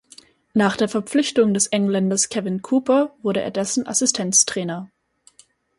Nach der Verpflichtung des Engländers Kevin Cooper wurde er dessen Assistenztrainer.